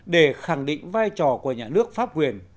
để khẳng định vai trò của nhà nước pháp quyền